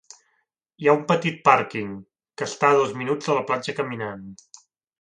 Hi ha un petit pàrquing, que està a dos minuts de la platja caminant.